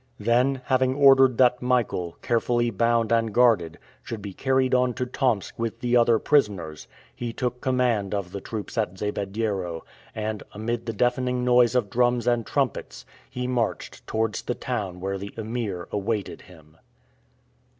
Then having ordered that Michael, carefully bound and guarded, should be carried on to Tomsk with the other prisoners, he took command of the troops at Zabediero, and, amid the deafening noise of drums and trumpets, he marched towards the town where the Emir awaited him.